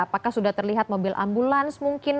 apakah sudah terlihat mobil ambulans mungkin